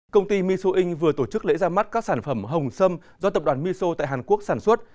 công ty miso inc vừa tổ chức lễ ra mắt các sản phẩm hồng sâm do tập đoàn miso tại hàn quốc sản xuất